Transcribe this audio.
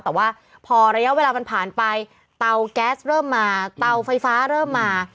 แต่ว่าพอระยะเวลามันผ่านไปเตาแก๊สเริ่มมาเตาไฟฟ้าเริ่มมา